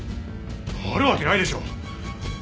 あるわけないでしょ！